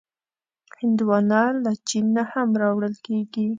هندوانه له چین نه هم راوړل کېږي.